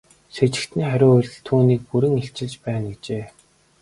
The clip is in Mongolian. Сэжигтний хариу үйлдэл түүнийг бүрэн илчилж байна гэжээ.